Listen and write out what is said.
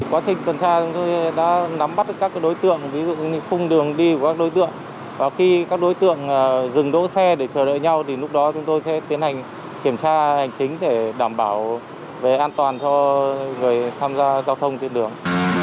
kiểm tra hành chính để đảm bảo về an toàn cho người tham gia giao thông trên đường